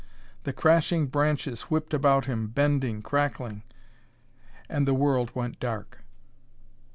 The crashing branches whipped about him, bending, crackling and the world went dark....